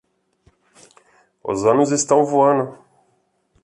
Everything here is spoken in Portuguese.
Os anos estão voando.